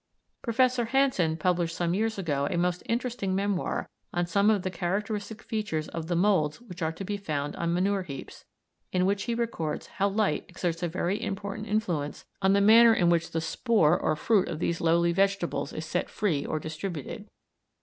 Professor Hansen published some years ago a most interesting memoir on some of the characteristic features of the moulds which are to be found on manure heaps, in which he records how light exerts a very important influence on the manner in which the spore or fruit of these lowly vegetables is set free or distributed.